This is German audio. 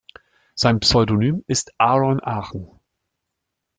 Sein Pseudonym ist Aaron Aachen.